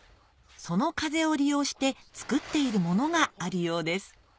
その風を利用して作っているものがあるようです